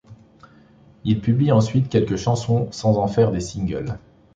Il publie ensuite quelques chansons sans en faire des singles.